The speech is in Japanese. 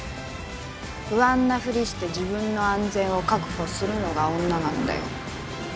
不安なふりして自分の安全を確保するのが女なんだよ。